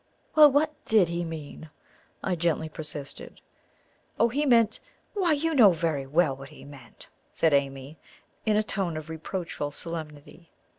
"Well, what DID he mean?" I gently persisted. "Oh, he meant why, you know very well what he meant," said Amy, in a tone of reproachful solemnity.